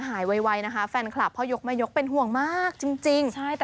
หายไวนะคะแฟนคลับเพราะยกไม่ยกเป็นห่วงมากจริง